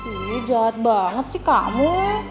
ini jahat banget sih kamu